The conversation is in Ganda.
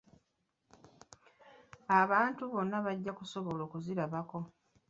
Abantu bonna bajja kusobola okuzirabako.